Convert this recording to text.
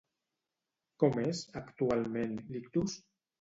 Com és, actualment, Lictos?